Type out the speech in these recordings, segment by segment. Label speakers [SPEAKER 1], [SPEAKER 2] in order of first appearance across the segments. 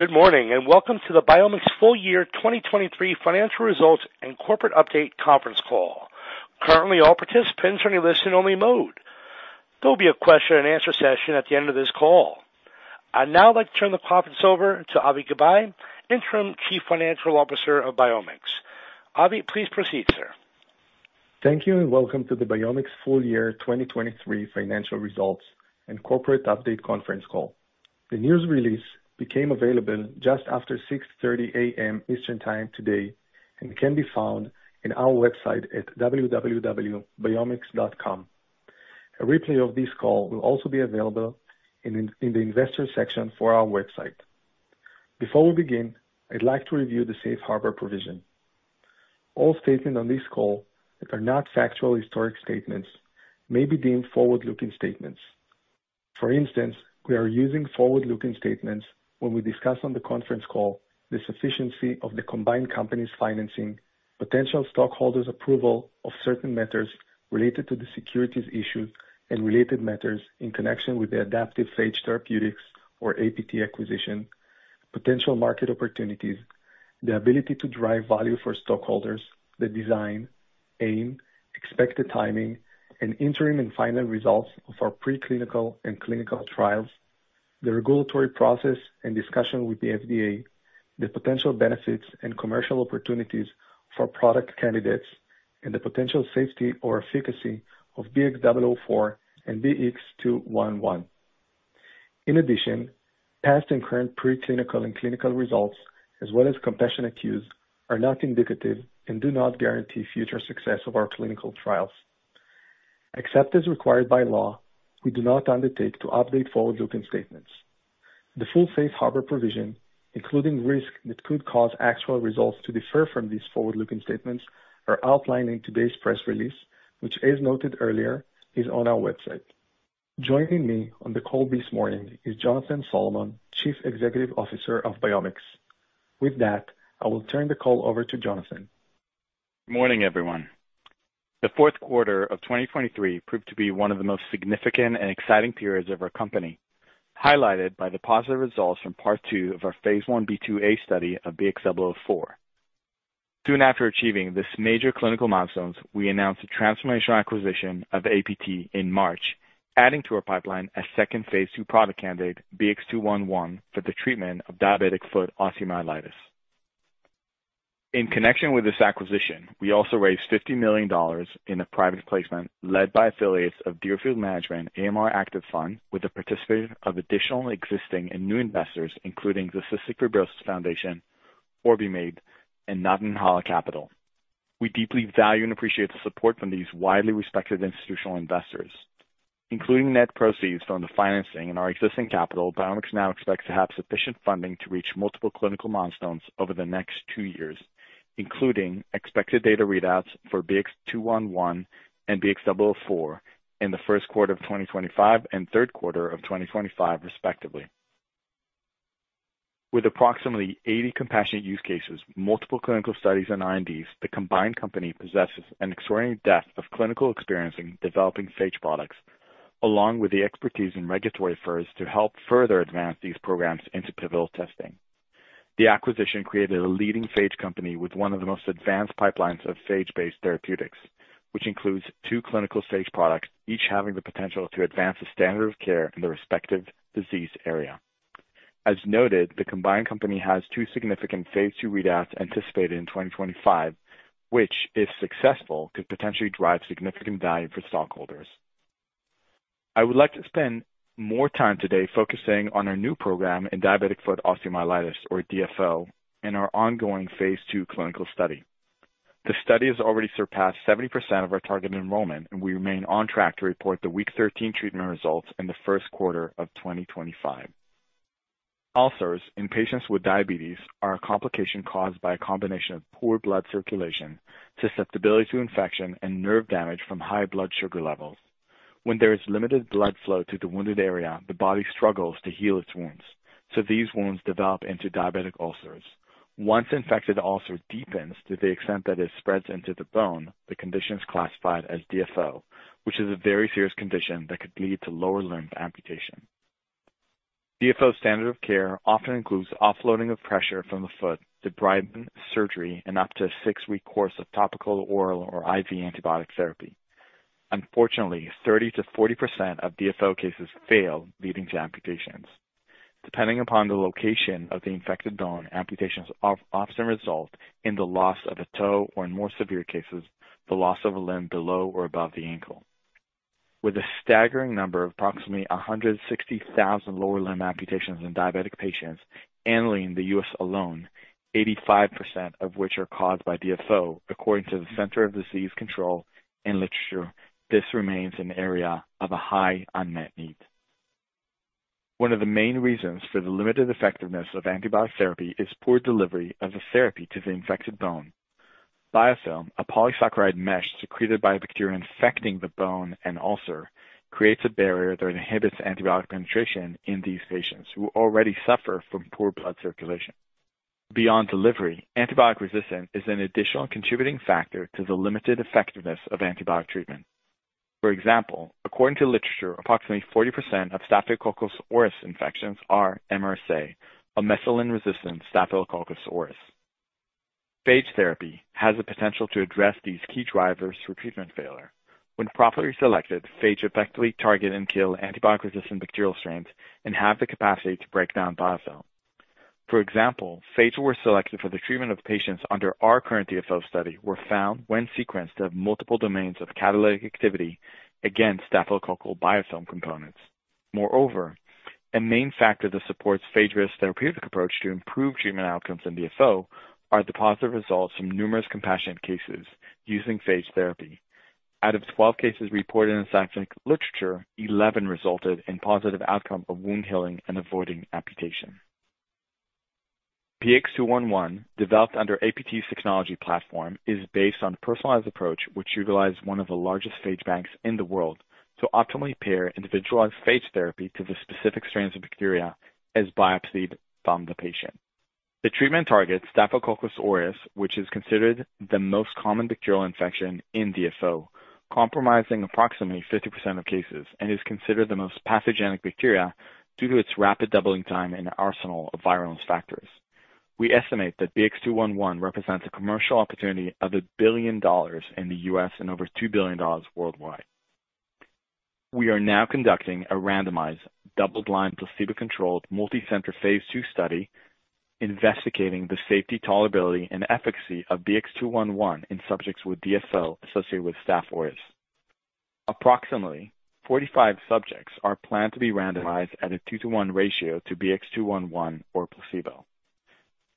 [SPEAKER 1] Good morning, and welcome to the BiomX full year 2023 financial results and corporate update conference call. Currently, all participants are in listen-only mode. There will be a question and answer session at the end of this call. I'd now like to turn the conference over to Avi Gabay, Interim Chief Financial Officer of BiomX. Avi, please proceed, sir.
[SPEAKER 2] Thank you, and welcome to the BiomX full year 2023 financial results and corporate update conference call. The news release became available just after 6:30 A.M. Eastern Time today and can be found in our website at www.biomx.com. A replay of this call will also be available in the investor section for our website. Before we begin, I'd like to review the Safe Harbor provision. All statements on this call that are not factual historic statements may be deemed forward-looking statements. For instance, we are using forward-looking statements when we discuss on the conference call the sufficiency of the combined company's financing, potential stockholders' approval of certain matters related to the securities issued and related matters in connection with the Adaptive Phage Therapeutics, or APT acquisition, potential market opportunities, the ability to drive value for stockholders, the design, aim, expected timing, and interim and final results of our preclinical and clinical trials, the regulatory process and discussion with the FDA, the potential benefits and commercial opportunities for product candidates, and the potential safety or efficacy of BX004 and BX211. In addition, past and current preclinical and clinical results, as well as compassionate use, are not indicative and do not guarantee future success of our clinical trials. Except as required by law, we do not undertake to update forward-looking statements. The full Safe Harbor provision, including risks that could cause actual results to differ from these forward-looking statements, are outlined in today's press release, which, as noted earlier, is on our website. Joining me on the call this morning is Jonathan Solomon, Chief Executive Officer of BiomX. With that, I will turn the call over to Jonathan.
[SPEAKER 3] Morning, everyone. The fourth quarter of 2023 proved to be one of the most significant and exciting periods of our company, highlighted by the positive results from part two of our Phase 1b/2a study of BX004. Soon after achieving this major clinical milestone, we announced the transformational acquisition of APT in March, adding to our pipeline a second phase product candidate, BX211, for the treatment of diabetic foot osteomyelitis. In connection with this acquisition, we also raised $50 million in a private placement led by affiliates of Deerfield Management, AMR Action Fund, with the participation of additional existing and new investors, including the Cystic Fibrosis Foundation, OrbiMed, and Nantahala Capital. We deeply value and appreciate the support from these widely respected institutional investors. Including net proceeds from the financing and our existing capital, BiomX now expects to have sufficient funding to reach multiple clinical milestones over the next two years, including expected data readouts for BX211 and BX004 in the first quarter of 2025 and third quarter of 2025, respectively. With approximately 80 compassionate use cases, multiple clinical studies and INDs, the combined company possesses an extraordinary depth of clinical experience in developing phage products, along with the expertise in regulatory firms to help further advance these programs into pivotal testing. The acquisition created a leading phage company with one of the most advanced pipelines of phage-based therapeutics, which includes two clinical phage products, each having the potential to advance the standard of care in the respective disease area. As noted, the combined company has two significant phase II readouts anticipated in 2025, which, if successful, could potentially drive significant value for stockholders. I would like to spend more time today focusing on our new program in diabetic foot osteomyelitis, or DFO, and our ongoing phase II clinical study. The study has already surpassed 70% of our targeted enrollment, and we remain on track to report the week 13 treatment results in the first quarter of 2025. Ulcers in patients with diabetes are a complication caused by a combination of poor blood circulation, susceptibility to infection, and nerve damage from high blood sugar levels. When there is limited blood flow to the wounded area, the body struggles to heal its wounds, so these wounds develop into diabetic ulcers. Once infected, the ulcer deepens to the extent that it spreads into the bone, the condition is classified as DFO, which is a very serious condition that could lead to lower limb amputation. DFO standard of care often includes offloading of pressure from the foot, debridement, surgery, and up to a six-week course of topical, oral, or IV antibiotic therapy. Unfortunately, 30%-40% of DFO cases fail, leading to amputations. Depending upon the location of the infected bone, amputations often result in the loss of a toe, or in more severe cases, the loss of a limb below or above the ankle. With a staggering number of approximately 160,000 lower limb amputations in diabetic patients annually in the U.S. alone, 85% of which are caused by DFO, according to the Centers for Disease Control and literature, this remains an area of a high unmet need. One of the main reasons for the limited effectiveness of antibiotic therapy is poor delivery of the therapy to the infected bone. Biofilm, a polysaccharide mesh secreted by the bacteria infecting the bone and ulcer, creates a barrier that inhibits antibiotic penetration in these patients, who already suffer from poor blood circulation. Beyond delivery, antibiotic resistance is an additional contributing factor to the limited effectiveness of antibiotic treatment. For example, according to literature, approximately 40% of Staphylococcus aureus infections are MRSA, a methicillin-resistant Staphylococcus aureus. Phage therapy has the potential to address these key drivers for treatment failure. When properly selected, phage effectively target and kill antibiotic-resistant bacterial strains and have the capacity to break down biofilm. For example, phage were selected for the treatment of patients under our current DFO study, were found, when sequenced, to have multiple domains of catalytic activity against staphylococcal biofilm components. Moreover, a main factor that supports phage risk therapeutic approach to improve treatment outcomes in DFO are the positive results from numerous compassionate cases using phage therapy. Out of 12 cases reported in the scientific literature, 11 resulted in positive outcome of wound healing and avoiding amputation. BX211, developed under APT's technology platform, is based on personalized approach, which utilizes one of the largest phage banks in the world to optimally pair individualized phage therapy to the specific strains of bacteria as biopsied from the patient. The treatment targets staphylococcus aureus, which is considered the most common bacterial infection in DFO, comprising approximately 50% of cases and is considered the most pathogenic bacteria due to its rapid doubling time and arsenal of virulence factors. We estimate that BX211 represents a commercial opportunity of $1 billion in the US and over $2 billion worldwide. We are now conducting a randomized, double-blind, placebo-controlled, multicenter phase II study investigating the safety, tolerability, and efficacy of BX211 in subjects with DFO associated with Staph aureus. Approximately 45 subjects are planned to be randomized at a 2-to-1 ratio to BX211 or placebo.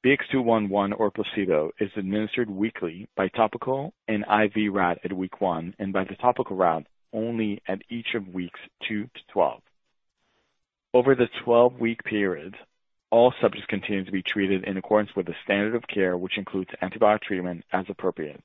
[SPEAKER 3] BX211 or placebo is administered weekly by topical and IV route at week one, and by the topical route only at each of weeks two to 12. Over the 12-week period, all subjects continue to be treated in accordance with the standard of care, which includes antibiotic treatment as appropriate.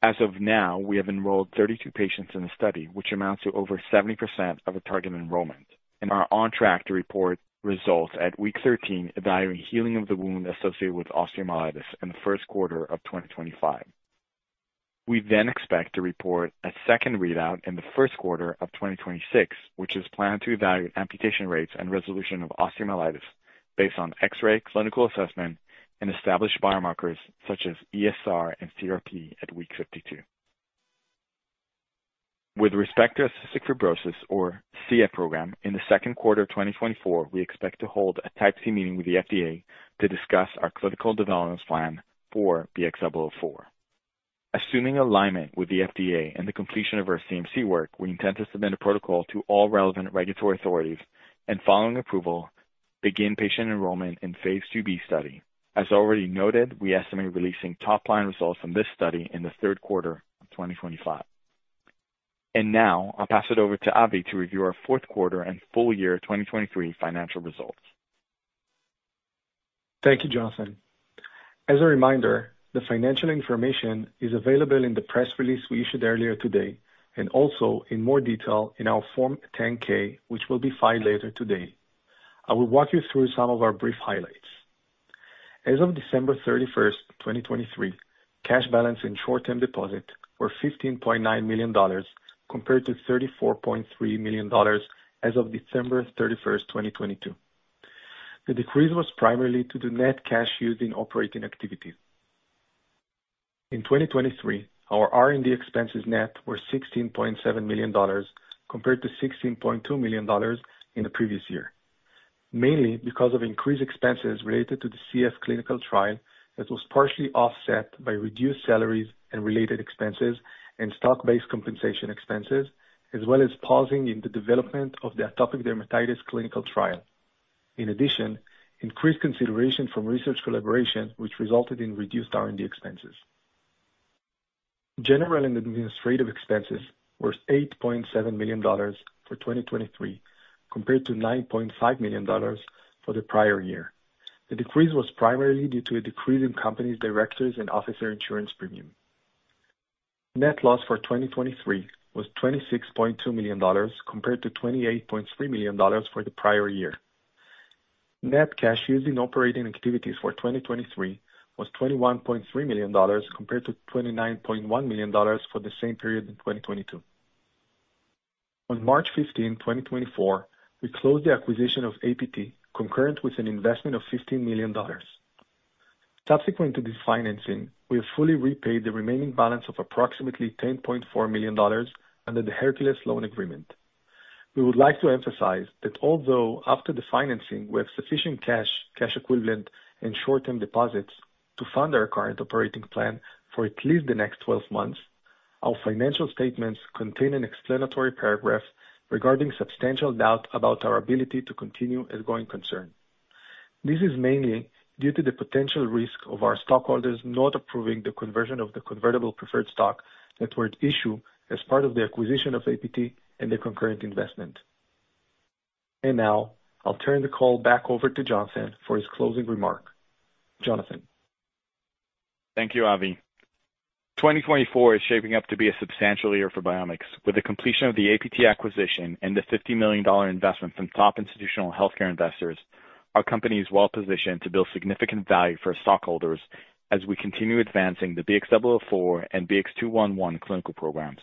[SPEAKER 3] As of now, we have enrolled 32 patients in the study, which amounts to over 70% of the target enrollment, and are on track to report results at week 13, evaluating healing of the wound associated with osteomyelitis in the first quarter of 2025. We then expect to report a second readout in the first quarter of 2026, which is planned to evaluate amputation rates and resolution of osteomyelitis based on X-ray, clinical assessment, and established biomarkers such as ESR and CRP at week 52. With respect to cystic fibrosis or CF program, in the second quarter of 2024, we expect to hold a Type C meeting with the FDA to discuss our clinical development plan for BX004. Assuming alignment with the FDA and the completion of our CMC work, we intend to submit a protocol to all relevant regulatory authorities, and following approval, begin patient enrollment in phase 2B study. As already noted, we estimate releasing top-line results from this study in the third quarter of 2025. And now I'll pass it over to Avi to review our fourth quarter and full year 2023 financial results.
[SPEAKER 2] Thank you, Jonathan. As a reminder, the financial information is available in the press release we issued earlier today, and also in more detail in our Form 10-K, which will be filed later today. I will walk you through some of our brief highlights. As of December 31, 2023, cash balance and short-term deposits were $15.9 million, compared to $34.3 million as of December 31, 2022. The decrease was primarily to the net cash used in operating activities. In 2023, our R&D expenses net were $16.7 million, compared to $16.2 million in the previous year, mainly because of increased expenses related to the CF clinical trial that was partially offset by reduced salaries and related expenses and stock-based compensation expenses, as well as pausing in the development of the atopic dermatitis clinical trial. In addition, increased consideration from research collaboration, which resulted in reduced R&D expenses. General and administrative expenses were $8.7 million for 2023, compared to $9.5 million for the prior year. The decrease was primarily due to a decrease in company's directors and officer insurance premium. Net loss for 2023 was $26.2 million, compared to $28.3 million for the prior year. Net cash used in operating activities for 2023 was $21.3 million, compared to $29.1 million for the same period in 2022. On March 15, 2024, we closed the acquisition of APT, concurrent with an investment of $15 million. Subsequent to this financing, we have fully repaid the remaining balance of approximately $10.4 million under the Hercules loan agreement. We would like to emphasize that although after the financing, we have sufficient cash, cash equivalent, and short-term deposits to fund our current operating plan for at least the next 12 months, our financial statements contain an explanatory paragraph regarding substantial doubt about our ability to continue as going concern. This is mainly due to the potential risk of our stockholders not approving the conversion of the convertible preferred stock that were at issue as part of the acquisition of APT and the concurrent investment. Now I'll turn the call back over to Jonathan for his closing remark. Jonathan?
[SPEAKER 3] Thank you, Avi. 2024 is shaping up to be a substantial year for BiomX. With the completion of the APT acquisition and the $50 million investment from top institutional healthcare investors, our company is well positioned to build significant value for our stockholders as we continue advancing the BX004 and BX211 clinical programs.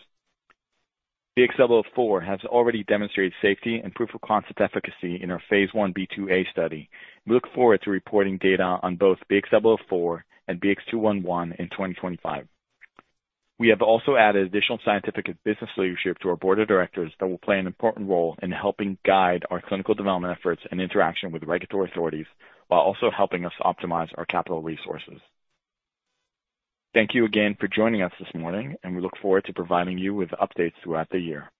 [SPEAKER 3] BX004 has already demonstrated safety and proof-of-concept efficacy in our Phase 1b/2a study. We look forward to reporting data on both BX004 and BX211 in 2025. We have also added additional scientific and business leadership to our board of directors that will play an important role in helping guide our clinical development efforts and interaction with regulatory authorities, while also helping us optimize our capital resources. Thank you again for joining us this morning, and we look forward to providing you with updates throughout the year.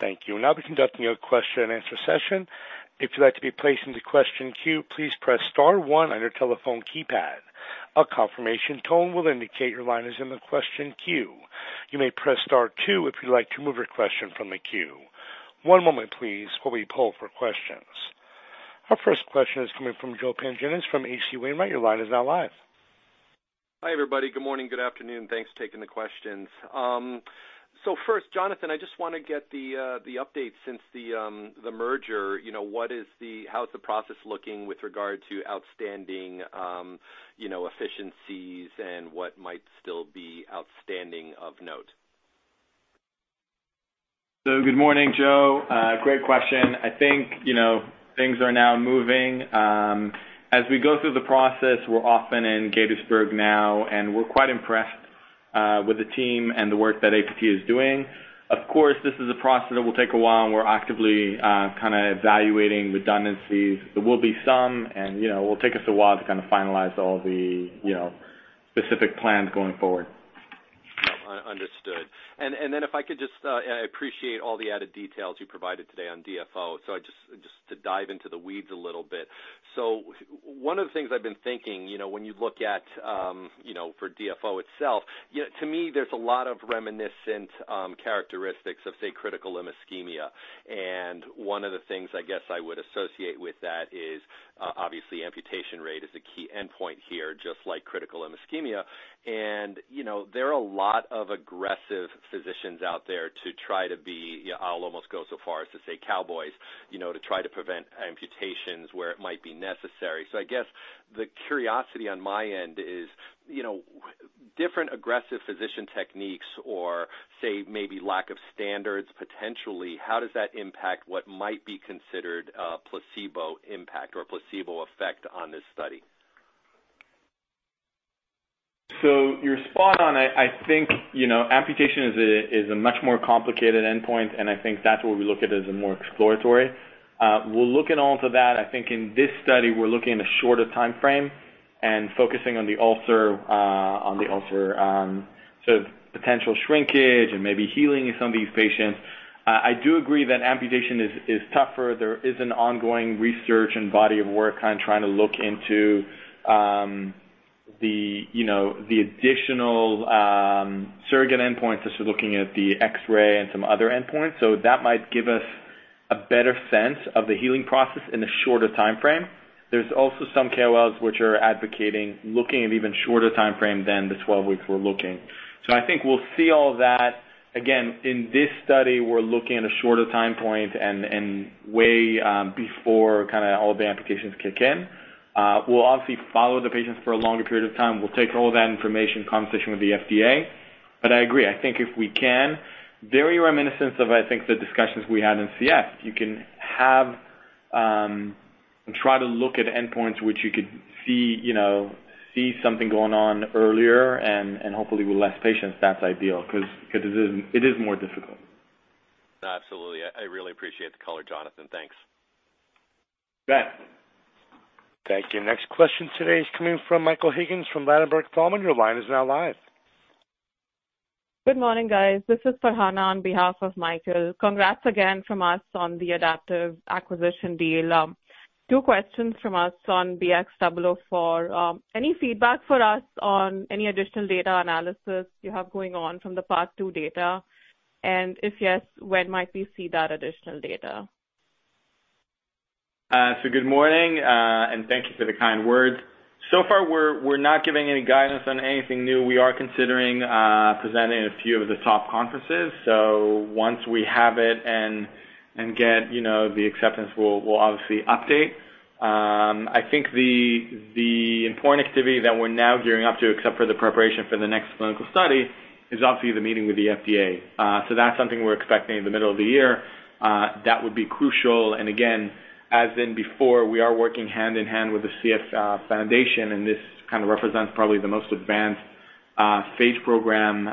[SPEAKER 1] Thank you. We'll now be conducting your question and answer session. If you'd like to be placed into question queue, please press star one on your telephone keypad. A confirmation tone will indicate your line is in the question queue. You may press star two if you'd like to move your question from the queue. One moment, please, while we poll for questions. Our first question is coming from Joe Pantginis from H.C. Wainwright. Your line is now live.
[SPEAKER 4] Hi, everybody. Good morning, good afternoon. Thanks for taking the questions. So first, Jonathan, I just wanna get the update since the merger. You know, what is the - how is the process looking with regard to outstanding, you know, efficiencies and what might still be outstanding of note?
[SPEAKER 3] So good morning, Joe. Great question. I think, you know, things are now moving. As we go through the process, we're often in Gaithersburg now, and we're quite impressed with the team and the work that APT is doing. Of course, this is a process that will take a while, and we're actively kind of evaluating redundancies. There will be some, and, you know, it will take us a while to kind of finalize all the, you know, specific plans going forward.
[SPEAKER 4] Understood. And then if I could just, I appreciate all the added details you provided today on DFO. So just to dive into the weeds a little bit. So one of the things I've been thinking, you know, when you look at, you know, for DFO itself, you know, to me, there's a lot of reminiscent characteristics of, say, critical ischemia. And one of the things I guess I would associate with that is, obviously, amputation rate is the key endpoint here, just like critical ischemia. And, you know, there are a lot of aggressive physicians out there to try to be, yeah, I'll almost go so far as to say, cowboys, you know, to try to prevent amputations where it might be necessary. I guess the curiosity on my end is, you know, different aggressive physician techniques or, say, maybe lack of standards, potentially, how does that impact what might be considered a placebo impact or a placebo effect on this study?
[SPEAKER 3] So you're spot on. I think, you know, amputation is a much more complicated endpoint, and I think that's what we look at as a more exploratory. We're looking all into that. I think in this study, we're looking at a shorter timeframe and focusing on the ulcer, on the ulcer, so potential shrinkage and maybe healing in some of these patients. I do agree that amputation is tougher. There is an ongoing research and body of work kind of trying to look into the, you know, the additional surrogate endpoints. This is looking at the X-ray and some other endpoints, so that might give us a better sense of the healing process in a shorter timeframe. There's also some KOLs which are advocating looking at even shorter timeframe than the 12 weeks we're looking. So I think we'll see all that. Again, in this study, we're looking at a shorter time point and way before kinda all the applications kick in. We'll obviously follow the patients for a longer period of time. We'll take all that information, conversation with the FDA. But I agree, I think if we can, very reminiscent of, I think, the discussions we had in CF, you can have try to look at endpoints which you could see, you know, see something going on earlier and hopefully with less patients, that's ideal, 'cause it is more difficult.
[SPEAKER 4] Absolutely. I really appreciate the color, Jonathan. Thanks.
[SPEAKER 3] You bet.
[SPEAKER 1] Thank you. Next question today is coming from Michael Higgins from Ladenburg Thalmann. Your line is now live.
[SPEAKER 5] Good morning, guys. This is Farhana on behalf of Michael. Congrats again from us on the Adaptive acquisition deal. Two questions from us on BX004. Any feedback for us on any additional data analysis you have going on from the Part 2 data? And if yes, when might we see that additional data?
[SPEAKER 3] Good morning, and thank you for the kind words. So far, we're not giving any guidance on anything new. We are considering presenting a few of the top conferences. So once we have it and get, you know, the acceptance, we'll obviously update. I think the important activity that we're now gearing up to, except for the preparation for the next clinical study, is obviously the meeting with the FDA. So that's something we're expecting in the middle of the year. That would be crucial, and again, as in before, we are working hand in hand with the CF Foundation, and this kind of represents probably the most advanced stage program.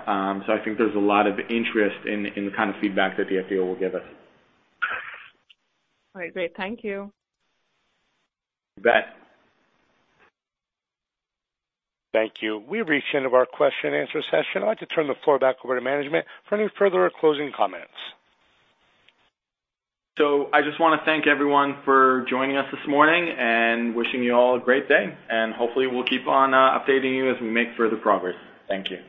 [SPEAKER 3] So I think there's a lot of interest in the kind of feedback that the FDA will give us.
[SPEAKER 5] All right. Great. Thank you.
[SPEAKER 3] You bet.
[SPEAKER 1] Thank you. We've reached the end of our question and answer session. I'd like to turn the floor back over to management for any further closing comments.
[SPEAKER 3] So I just wanna thank everyone for joining us this morning and wishing you all a great day. And hopefully, we'll keep on updating you as we make further progress. Thank you.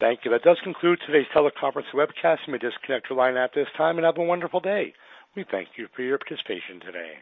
[SPEAKER 1] Thank you. That does conclude today's teleconference webcast. You may disconnect your line at this time, and have a wonderful day. We thank you for your participation today.